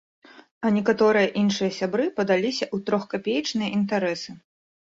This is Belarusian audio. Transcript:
А некаторыя іншыя сябры падаліся ў трохкапеечныя інтарэсы.